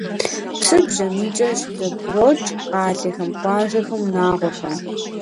Псыр бжьамийкӀэ щызэбгрокӀ къалэхэм, къуажэхэм, унагъуэхэм.